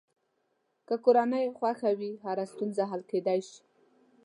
که کورنۍ خوښه وي، هره ستونزه حل کېدلی شي.